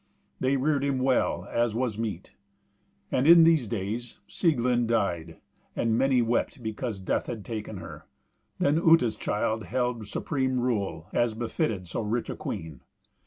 They reared him well, as was meet. And in these days Sieglind died, and many wept because death had taken her. Then Uta's child held supreme rule, as befitted so rich a queen.